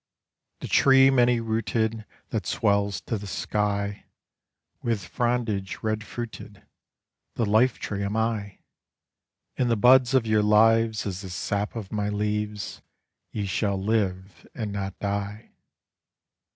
The tree many rooted That swells to the sky With frondage red fruited, The life tree am I; In the buds of your lives is the sap of my leaves: ye shall live and not die.